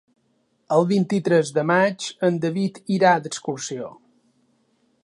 El vint-i-tres de maig en David irà d'excursió.